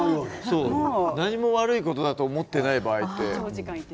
何も悪いことだと思っていない場合って。